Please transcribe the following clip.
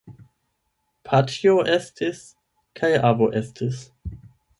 Paĉjo estis kaj avo estis.